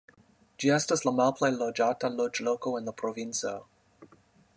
Ĝi estas la malplej loĝata loĝloko en la provinco.